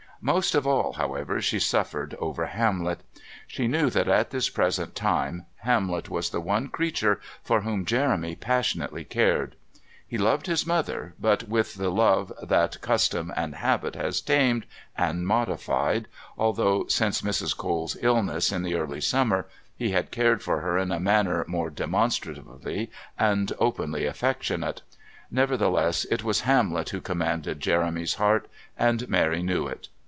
Most of all, however, she suffered over Hamlet. She knew that at this present time Hamlet was the one creature for whom Jeremy passionately cared. He loved his mother, but with the love that custom and habit has tamed and modified, although since Mrs. Cole's illness in the early summer he had cared for her in a manner more demonstrative and openly affectionate. Nevertheless, it was Hamlet who commanded Jeremy's heart, and Mary knew it.